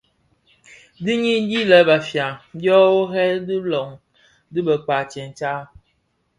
Di i di lè Bafia dyo worè bi löň dhi bëkpag tsentsa.